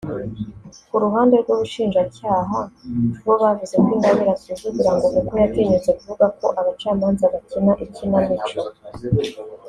Ku ruhande rw’ubushinjacyaha bo bavuze ko Ingabire asuzugura ngo kuko yatinyutse kuvuga ko abacamanza bakina ikinamico